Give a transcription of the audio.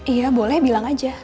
iya boleh bilang aja